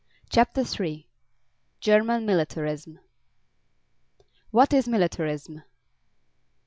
CHAPTER III GERMAN MILITARISM WHAT IS MILITARISM?